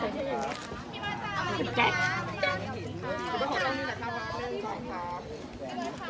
หมอโอเคไม่แดบนี่ก็ออกแล้วเอารถมาครับเอารถมาครับ